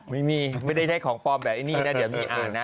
ไม่ได้ได้ของปลอมแบบไอ้นี่นะเดี๋ยวมีอ่านนะ